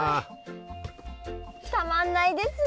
たまんないですね！